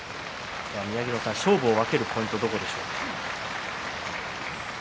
勝負を分けるポイントはどこですか。